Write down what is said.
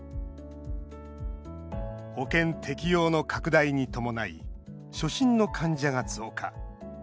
保険適用の拡大に伴い初診の患者が増加。